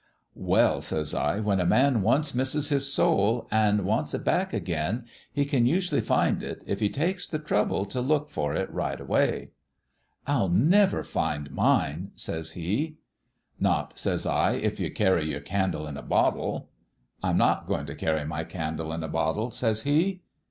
"* Well/ says I, * when a man once misses his soul, an' wants it back again, he can usually find it, if he takes the trouble t' look for it right away.' The BOY HE USED to KNOW 193 "' I'll never find mine,' says he. "* Not,' says I, ' if you carry your candle in a bottle.' "' I'm not goin' t' carry my candle in a bottle,' says he.